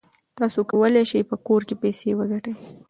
تاسو کولای شئ په کور کې پیسې وګټئ.